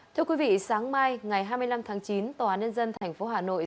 thưa quý vị sáng mai ngày hai mươi năm tháng chín tòa án nhân dân tp hà nội